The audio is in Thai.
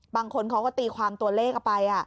บางคนเขาก็ตีความตัวเลขเอาไป